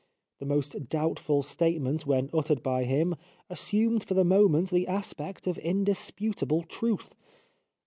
The most doubtful statement when uttered by him assumed for the moment the aspect of indisputable truth.